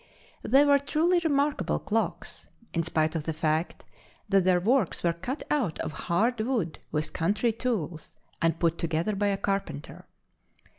They were truly remarkable clocks, in spite of the fact that their works were cut out of hard wood with country tools, and put together by a carpenter.